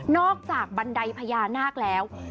จากบันไดพญานาคแล้ว